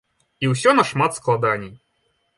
І ўсё нашмат складаней.